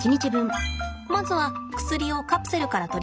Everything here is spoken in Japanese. まずは薬をカプセルから取り出します。